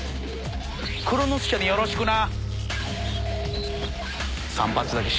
クロノス社によろしくな。